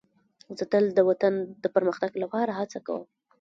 زه تل د وطن د پرمختګ لپاره هڅه کوم.